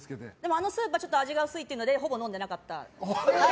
あのスープはちょっと味が薄いというのでほぼ飲んでなかった。